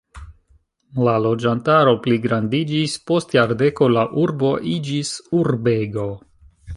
La loĝantaro pligrandiĝis, post jardeko la urbo iĝis urbego.